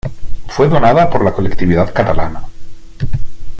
Fue donada por la Colectividad Catalana.